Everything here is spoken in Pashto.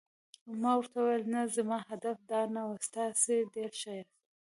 ما ورته وویل: نه، زما هدف دا نه و، تاسي ډېر ښه یاست.